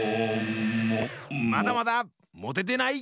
まだまだ！もててない！